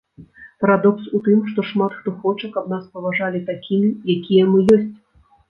Парадокс у тым, што шмат хто хоча, каб нас паважалі такімі, якія мы ёсць.